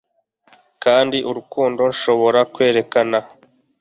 kandi urukundo nshobora kwerekana